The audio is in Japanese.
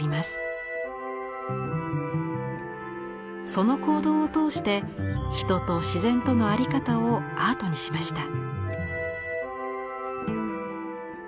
その行動を通して人と自然との在り方をアートにしました。